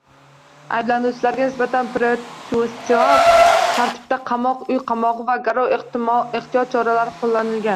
Ayblanuvchilarga nisbatan protsessual tartibda qamoq, uy qamog‘i va garov ehtiyot choralari qo‘llanilgan